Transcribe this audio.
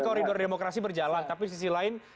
koridor demokrasi berjalan tapi sisi lain